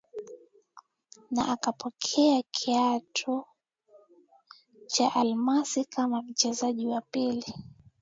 Na akapokea kiatu cha Almasi kama mchezaji wa pili